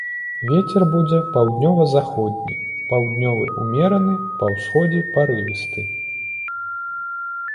Вецер будзе паўднёва-заходні, паўднёвы ўмераны, па ўсходзе парывісты.